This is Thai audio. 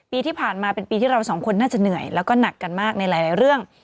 ปีที่ผ่านมาเป็นปีที่เราสองคนน่าจะเหนื่อยแล้วก็หนักกันมากในหลายเรื่อง